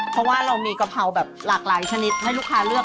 เพราะว่าเรามีกะเพราแบบหลากหลายชนิดให้ลูกค้าเลือก